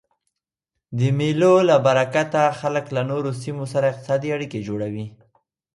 د مېلو له برکته خلک له نورو سیمو سره اقتصادي اړیکي جوړوي.